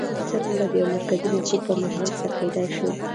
څرنګه د یوه مرکزي مفهوم پر محور څرخېدای شي.